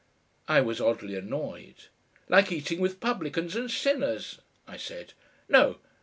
I was oddly annoyed. "Like eating with publicans and sinners," I said. "No!..."